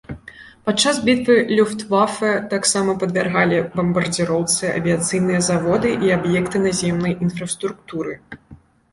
Падчас бітвы люфтвафэ таксама падвяргалі бамбардзіроўцы авіяцыйныя заводы і аб'екты наземнай інфраструктуры.